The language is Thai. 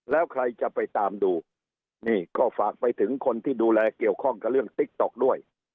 แล้วใครจะไปตามดูนี่ก็ฝากไปถึงคนที่ดูแลเกี่ยวข้องกับเรื่องติ๊กต๊อกด้วย